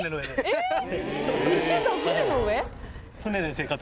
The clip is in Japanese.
えっ？